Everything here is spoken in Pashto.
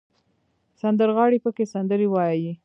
سندرغاړي پکې سندرې وايي.